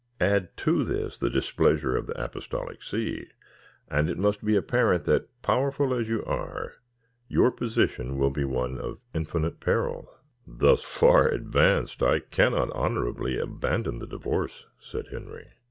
Add to this the displeasure of the Apostolic See, and it must be apparent that, powerful as you are, your position will be one of infinite peril." "Thus far advanced, I cannot honourably abandon the divorce," said Henry.